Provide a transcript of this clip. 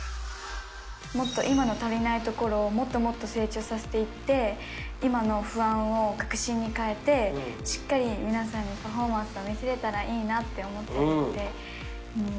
もっと今の足りないところを、もっともっと成長させていって、今の不安を確信に変えて、しっかり皆さんにパフォーマンスを見せれたらいいなと思っているので。